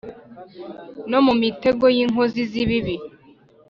No mu mitego y inkozi z ibibi